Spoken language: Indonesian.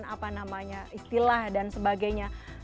apa namanya istilah dan sebagainya